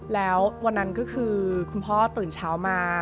แล้ววันนั้นก็คือคุณพ่อตื่นเช้ามา